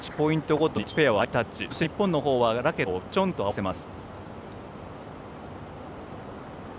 そして日本のほうはラケットをちょんと合わせます。